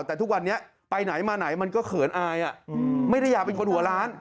แต่ทุกวันนี้ไปไหนมาไหนมันก็เขินอายไม่ได้อยากเป็นคนหัวล้าน